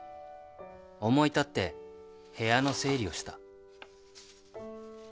思い立って部屋の整理をした